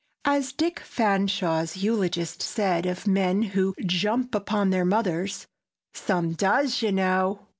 As Dick Fanshawe's eulogist said of men who "jump upon their mothers,"—"Some does, you know!"